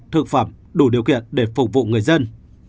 thực phẩm đủ điều kiện để phục vụ người dân